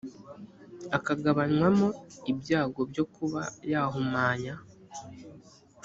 akagabanywamo ibyago byo kuba yahumanya